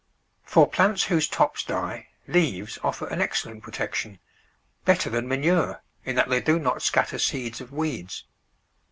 For plants whose tops die, leaves offer an excellent protection — better than manure, in that they do not scatter seeds of weeds.